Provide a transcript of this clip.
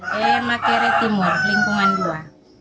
mereka memakai timur lingkungan dua